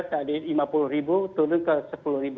dari rp lima puluh turun ke rp sepuluh